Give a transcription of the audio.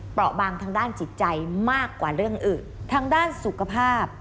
บางทางด้านจิตใจมากกว่าเรื่องอื่นทางด้านสุขภาพ